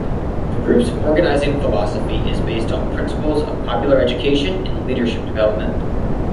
The group's organizing philosophy is based on principles of popular education and leadership development.